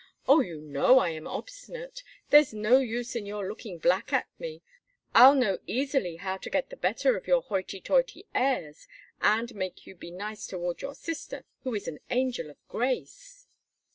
Oh! you know I am obstinate. There's no use in your looking black at me. I'll know easily how to get the better of your hoity toity airs, and make you be nice toward your sister, who is an angel of grace."